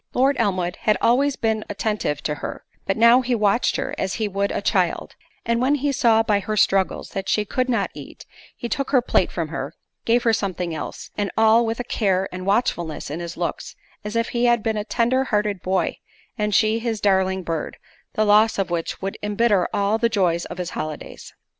Lord Elmwood had always been attentive to her; but now he watched her as he would a child; and when he saw by her struggles that she could not eat, he took her plate from her; gave her something else; and all with a care and watchfulness in his looks, as if he had been a tender hearted boy, and she his darling bird, the loss of which would embitter all the joy of his holidays.